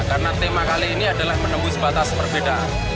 karena tema kali ini adalah menembus batas perbedaan